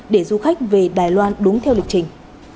để du khách về đài loan đúng theo lịch trình